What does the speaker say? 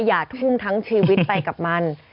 อย่าทุ่มทั้งชีวิตไปกับมัน